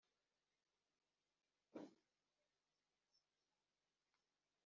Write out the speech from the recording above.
“Orgues de Basalte” n’ayandi